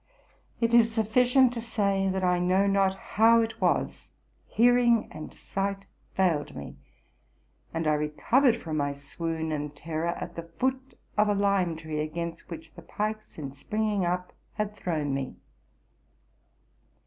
It is sufficient to say, that, I know not how it was, hearing and sight failed me; and I recovered from my swoon and terror at the foot of a lime tree, against which the pikes in springing up had thrown me.